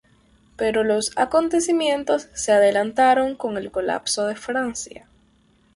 Pero los acontecimientos se adelantaron con el colapso de Francia.